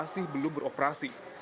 tapi belum beroperasi